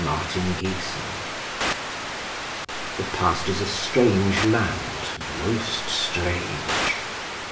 PARTING THE Past is a strange land, most strange.